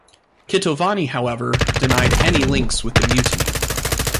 Kitovani, however, denied any links with the mutiny.